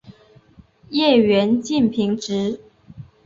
叶缘近平直。